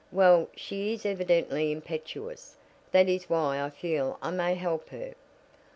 "Well, she is evidently impetuous; that is why I feel I may help her.